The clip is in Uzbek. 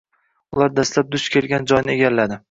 Ular dastlab duch kelgan joyni egalladi.